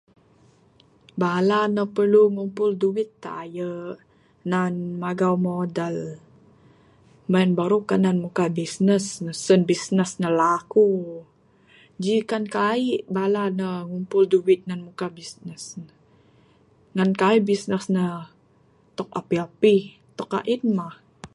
Bala ne perlu ngumpul duit tayerk, nan magau modal, en baru kanan muka bisnes, mbeh sen bines ne laku, jika kaik bala ne ngumpul duit muka bisnes ne, ngan kaik bisnes ne, tok epih-epih, tok ain mah.